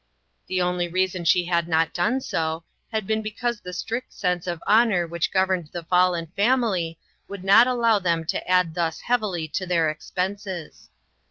The only reason she had not done so, had been be cause the strict sense of honor which gov erned the fallen family would not allow them to add thus heavily to their expenses.